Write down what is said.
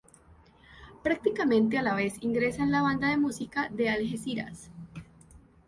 Prácticamente a la vez ingresa en la banda de música de Algeciras.